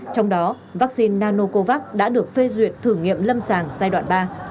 trong đó vaccine nanocovax đã được phê duyệt thử nghiệm lâm sàng giai đoạn ba